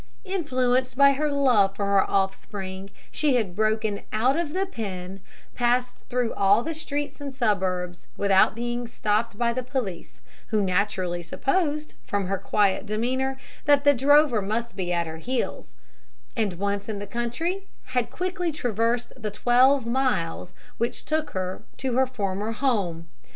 Influenced by her love for her offspring, she had broken out of the pen, passed through all the streets of the suburbs without being stopped by the police, who naturally supposed, from her quiet demeanour, that the drover must be at her heels; and once in the country, had quickly traversed the twelve miles which took her to her former home.